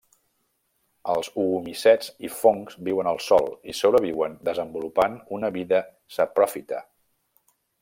Els oomicets i fongs viuen al sòl i sobreviuen desenvolupant una vida sapròfita.